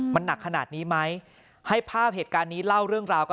มันหนักขนาดนี้ไหมให้ภาพเหตุการณ์นี้เล่าเรื่องราวกัน